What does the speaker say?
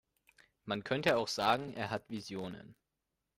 Man könnte auch sagen, er hat Visionen.